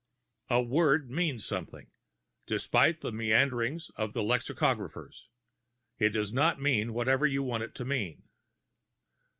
A word means something; despite the maunderings of the lexicographers, it does not mean whatever you want it to mean.